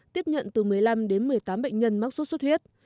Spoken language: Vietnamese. tiếp nhận từ một mươi năm đến một mươi tám bệnh nhân mắc xuất suyết